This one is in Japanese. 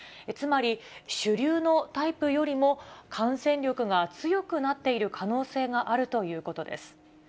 つまり、主流のタイプよりも、感染力が強くなっている可能性があるということです。